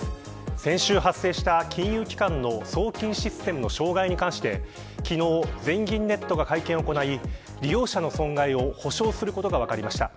先週発生した金融機関の送金システムの障害に関して昨日、全銀ネットが会見を行い利用者の損害を補償することが分かりました。